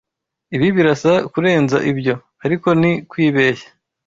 Ibi birasa kurenza ibyo, ariko ni kwibeshya.